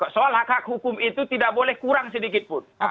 soal hak hak hukum itu tidak boleh kurang sedikitpun